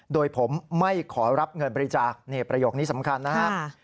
โดยผมไม่ขอรับเงินบริจาคนี่ประโยคนี้สำคัญนะครับ